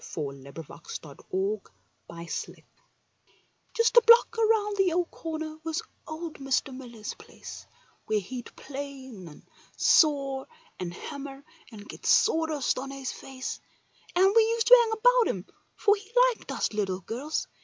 \• I I i / i ,/// \\|i lyA \\ 1 i /// i / A BLOCK around the corner was old Mr. Miller's place, Where he'd plane an* ^ saw an' hammer, an get sawdust on his face, An' we used to hang about him, for he liked us little girls.